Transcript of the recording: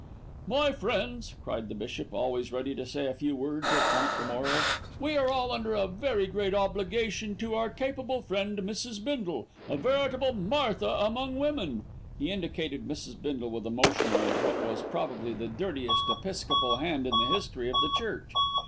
"My friends," cried the bishop, always ready to say a few words or point the moral, "we are all under a very great obligation to our capable friend Mrs. Bindle, a veritable Martha among women;" he indicated Mrs. Bindle with a motion of what was probably the dirtiest episcopal hand in the history of the Church.